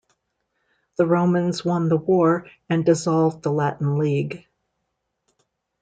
The Romans won the war and dissolved the Latin League.